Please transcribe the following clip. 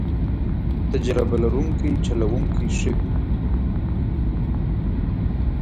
تجربه لرونکی چلوونکی ښه وي.